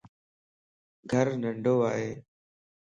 گھر ننڍو ائي